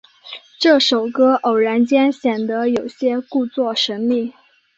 这首歌偶然间显得有些故作神秘。